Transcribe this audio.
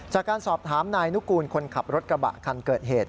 จากการสอบถามนายนุกูลคนขับรถกระบะคันเกิดเหตุ